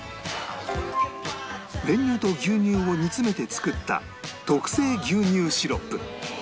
練乳と牛乳を煮詰めて作った特製牛乳シロップ